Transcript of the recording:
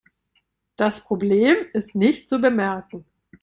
Das Problem ist nicht zu bemerken.